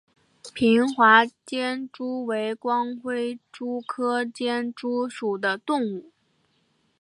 平滑间蛛为光盔蛛科间蛛属的动物。